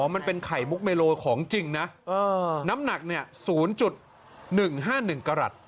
มันเป็นไข่มุกเมโลของจริงนะเออน้ำหนักเนี้ยศูนย์จุดหนึ่งห้าหนึ่งกรัส